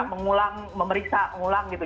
mengulang memeriksa mengulang gitu